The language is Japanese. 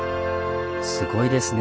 すごいですね。